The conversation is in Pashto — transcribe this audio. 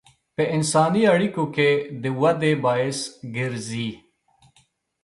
په انساني اړیکو کې د ودې باعث ګرځي.